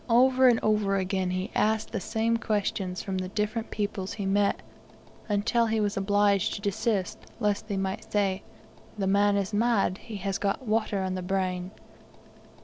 Over and over again he asked the same questions from the different peoples he met, until he was obliged to desist, lest they might say, "The man is mad; he has got water on the brain!"